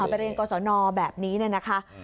ไปเรียนกรสนแบบนี้เนี่ยนะคะ